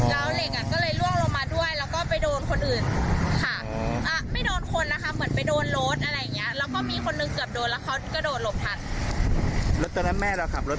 ว่าเมสเลยครับว่าว่าเมสก้าบออกมาแล้ว